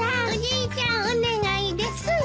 おじいちゃんお願いです！